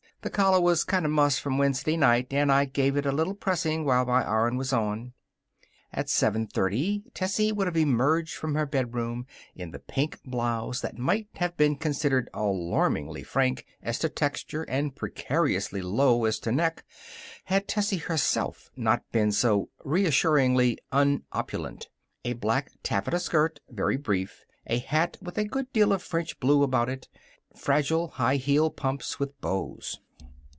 The collar was kind of mussed from Wednesday night, and I give it a little pressing while my iron was on." At seven thirty Tessie would have emerged from her bedroom in the pink blouse that might have been considered alarmingly frank as to texture and precariously low as to neck had Tessie herself not been so reassuringly unopulent; a black taffeta skirt, very brief; a hat with a good deal of French blue about it; fragile high heeled pumps with bows.